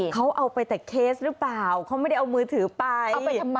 เขาเอาไปแต่เคสหรือเปล่าเขาไม่ได้เอามือถือไป